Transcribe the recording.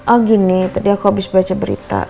ah gini tadi aku habis baca berita